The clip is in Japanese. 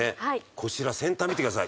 こちら、先端、見てください。